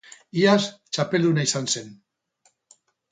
Iaz txapelduna izan zen.